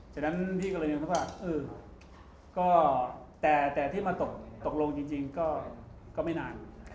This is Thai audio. ฉะนั้นพี่ก็เลยนึกว่าเออก็แต่ที่มาตกลงจริงก็ไม่นาน